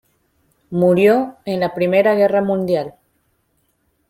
Murió en la Primera Guerra Mundial.